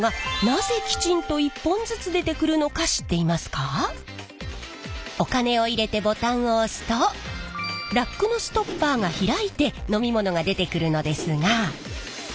ところで自販機からお金を入れてボタンを押すとラックのストッパーが開いて飲み物が出てくるのですが。